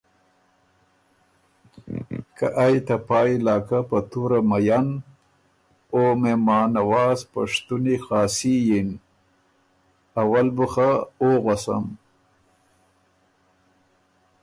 که ائ ته پا علاقه په تُوره مئن او مهمان نواز پشتُنی خاصي یِن اول بُو خه او غؤسم